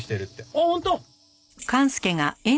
あっ本当？